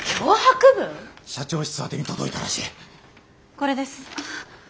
これです。